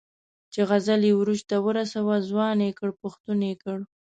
چې غزل یې عروج ته ورساوه، ځوان یې کړ، پښتون یې کړ.